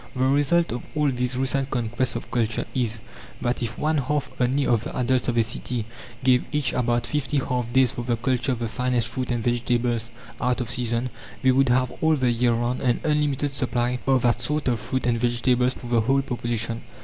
The result of all these recent conquests of culture is, that if one half only of the adults of a city gave each about fifty half days for the culture of the finest fruit and vegetables out of season, they would have all the year round an unlimited supply of that sort of fruit and vegetables for the whole population.